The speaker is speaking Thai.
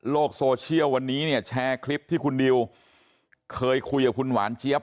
โซเชียลวันนี้เนี่ยแชร์คลิปที่คุณดิวเคยคุยกับคุณหวานเจี๊ยบ